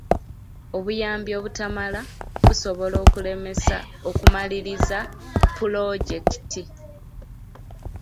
Obuyambi obutamala busobola okulemesa okumaliriza pulojekiti.